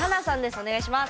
お願いします。